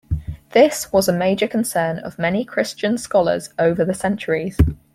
This was a major concern of many Christian scholars over the centuries.